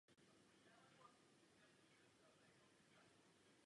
Na berlínské olympiádě skončil na čtvrtém místě.